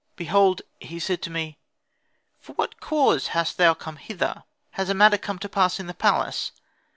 Behold he said to me, "For what cause hast thou come hither? Has a matter come to pass in the palace?